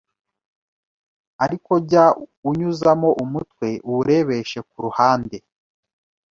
ariko jya unyuzamo umutwe uwurebeshe ku ruhande.